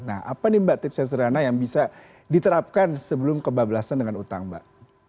nah apa nih mbak tipsnya sederhana yang bisa diterapkan sebelum kebablasan dengan utang mbak